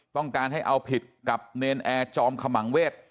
ต้องการให้เอาผิดกับเนรนแอร์จอมขมังเวศ